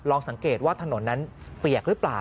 สังเกตว่าถนนนั้นเปียกหรือเปล่า